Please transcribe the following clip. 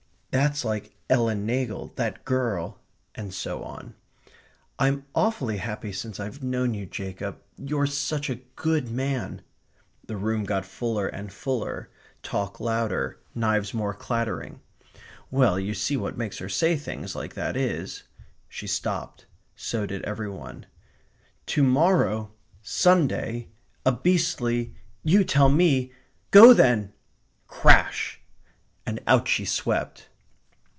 "That's like Ellen Nagle that girl ..." and so on. "I'm awfully happy since I've known you, Jacob. You're such a GOOD man." The room got fuller and fuller; talk louder; knives more clattering. "Well, you see what makes her say things like that is ..." She stopped. So did every one. "To morrow ... Sunday ... a beastly ... you tell me ... go then!" Crash! And out she swept.